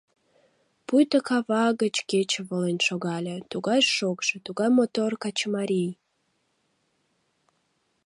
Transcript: Пуйто кава гыч кече волен шогале — тугай шокшо, тугай мотор качымарий.